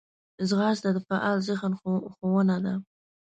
ځغاسته د فعال ذهن ښوونه ده